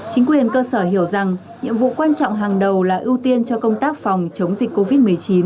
chính quyền cơ sở hiểu rằng nhiệm vụ quan trọng hàng đầu là ưu tiên cho công tác phòng chống dịch covid một mươi chín